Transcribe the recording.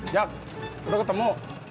jan lo ketemu